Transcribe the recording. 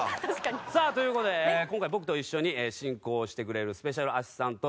さあという事で今回僕と一緒に進行をしてくれるスペシャルアシスタント